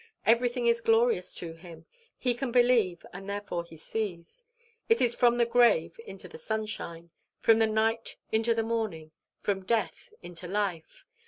Everything is glorious to him; he can believe, and therefore he sees. It is from the grave into the sunshine, from the night into the morning, from death into life.